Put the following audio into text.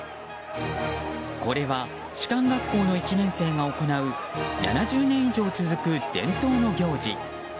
これは士官学校の１年生が行う７０年以上続く伝統の行事。